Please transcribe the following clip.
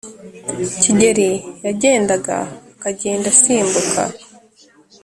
gikeli yagenda akagenda asimbuka.